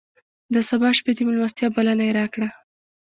د سبا شپې د مېلمستیا بلنه یې راکړه.